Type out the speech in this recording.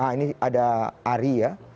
ini ada ari ya